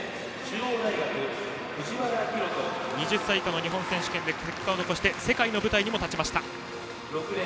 藤原寛人は２０歳以下の日本選手権で結果を残して世界の舞台にも立ちました。